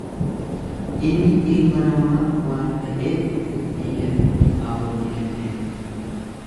Inni Ilma Namaa waan ta’eef firdii kennuuf aboo ni kenneef.